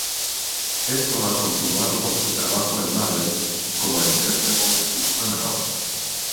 Esto ha continuado con su trabajo en Marvel, como en "Daredevil" y "Criminal".